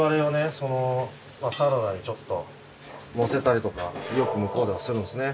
そのサラダにちょっとのせたりとかよく向こうではするんですね。